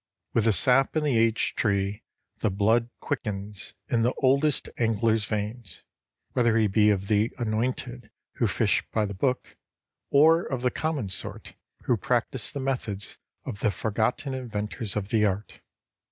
With the sap in the aged tree, the blood quickens in the oldest angler's veins, whether he be of the anointed who fish by the book, or of the common sort who practice the methods of the forgotten inventors of the art.